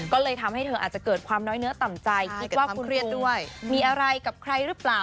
ก็เลยทำให้เธออาจจะเกิดความน้อยเนื้อต่ำใจคิดว่าคุณเครียดด้วยมีอะไรกับใครหรือเปล่า